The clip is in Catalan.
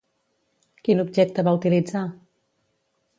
Quin objecte va utilitzar?